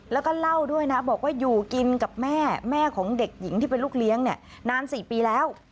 แล้วก็เล่าด้วยนะบอกว่าอยู่กินกับแม่แม่ของเด็กหญิงที่เป็นลูกเลี้ยงเนี่ยนาน๔ปีแล้ว